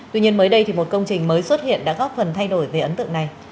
tuy nhiên mới đây thì một công trình mới xuất hiện đã góp phần thay đổi về ấn tượng này